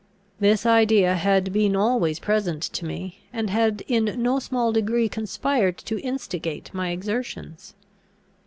This idea had been always present to me, and had in no small degree conspired to instigate my exertions.